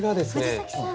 藤崎さん。